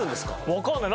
わかんない。